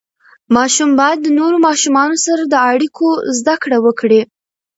ماشوم باید د نورو ماشومانو سره د اړیکو زده کړه وکړي.